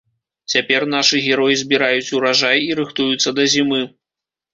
Цяпер нашы героі збіраюць уражай і рыхтуюцца да зімы.